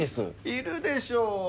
いるでしょう。